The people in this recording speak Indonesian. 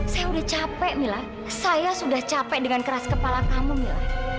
saya sudah capek mila saya sudah capek dengan keras kepala kamu mila